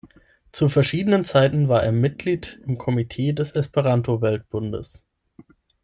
Zu verschiedenen Zeiten war er Mitglied im Komitee des Esperanto-Weltbundes.